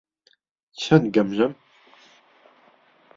چەند گەمژەم!